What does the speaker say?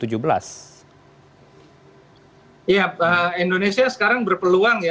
iya indonesia sekarang berpeluang ya